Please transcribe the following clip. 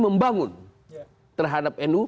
membangun terhadap nu